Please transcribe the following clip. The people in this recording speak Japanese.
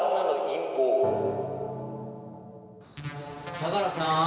相良さん。